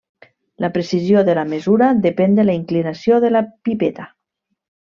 La precisió de la mesura depèn de la inclinació de la pipeta.